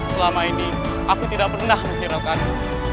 selama ini aku tidak pernah menghiraukanmu